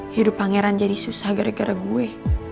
hidup pangeran jadi susah gara gara gue